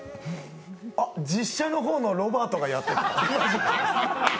実写の方のロバートがやってた。